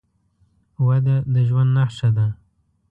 وده د ژوند نښه ده.